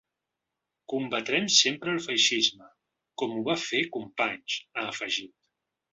Combatrem sempre el feixisme com ho va fer Companys, ha afegit.